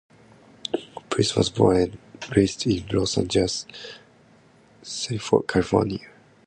Prince was born and raised in Los Angeles, California.